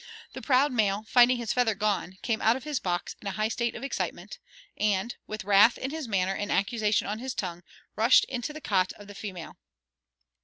The proud male, finding his feather gone, came out of his box in a high state of excitement, and, with wrath in his manner and accusation on his tongue, rushed into the cot of the female.